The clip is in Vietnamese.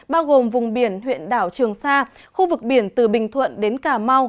bao gồm vùng biển huyện đảo trường sa khu vực biển từ bình thuận đến cà mau